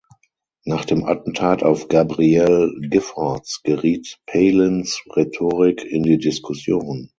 Nach dem Attentat auf Gabrielle Giffords geriet Palins Rhetorik in die Diskussion.